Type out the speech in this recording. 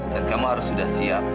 dan kamu harus sudah siap